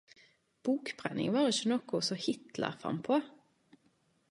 Bokbrenning var ikkje noko som Hitler fann på!